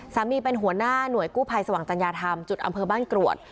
หัวหน้าเป็นหัวหน้าหน่วยกู้ภัยสว่างจัญญาธรรมจุดอำเภอบ้านกรวด